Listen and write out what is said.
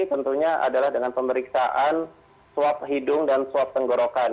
tentunya adalah dengan pemeriksaan swab hidung dan swab tenggorokan